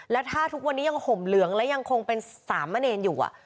แล้วถ้าทุกวันนี้ยังห่มเหลืองและยังคงเป็นสามเณรอยู่